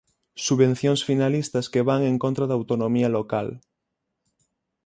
Subvencións finalistas que van en contra da autonomía local.